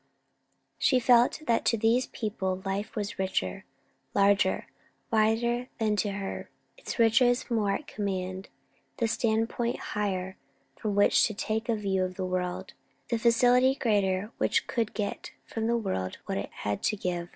She felt that to these people life was richer, larger, wider than to her; its riches more at command; the standpoint higher from which to take a view of the world; the facility greater which could get from the world what it had to give.